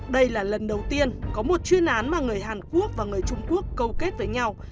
đây là lần đầu tiên có một chuyên án mà người hàn quốc và người trung quốc câu kết với nhau